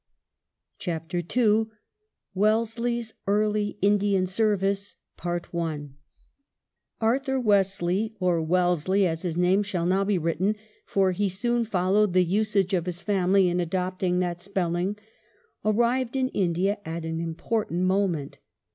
CHAPTER II WELLESLEY^S EARLY INDIAN SERVICES Arthur Wesley, or Wellesley, as his name shall now be written, for he soon followed the usage of his family in adopting that spelling, arrived in India at an important moment.